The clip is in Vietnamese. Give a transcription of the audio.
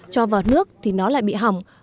cho vào nước thì nó lại bị hỏng